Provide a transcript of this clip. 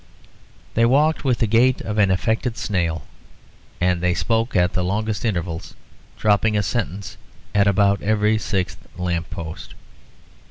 They walked with the gait of an affected snail, and they spoke at the longest intervals, dropping a sentence at about every sixth lamp post.